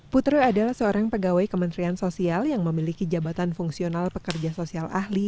putri adalah seorang pegawai kementerian sosial yang memiliki jabatan fungsional pekerja sosial ahli